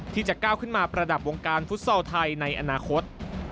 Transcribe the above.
ที่จะก้าวขึ้นมาประดับวงการฟุตซอลไทยในอนาคต